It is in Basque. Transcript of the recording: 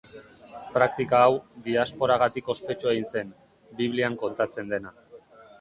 Praktika hau, diasporagatik ospetsu egin zen, Biblian kontatzen dena.